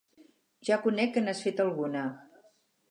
Ja conec que n'has feta alguna.